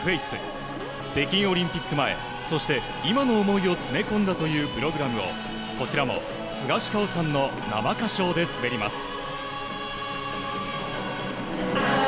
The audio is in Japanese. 北京オリンピック前、そして今の思いを詰め込んだというプログラムを、こちらもスガシカオさんの生歌唱で滑ります。